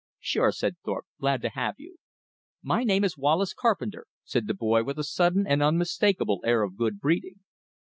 "Sure," said Thorpe, "glad to have you." "My name is Wallace Carpenter," said the boy with a sudden unmistakable air of good breeding.